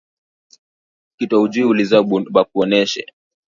Kitu aujuwi uliza bakuoneshe